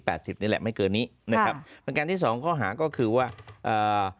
สิบนี่แหละไม่เกินนี้นะครับประการที่สองข้อหาก็คือว่าอ่า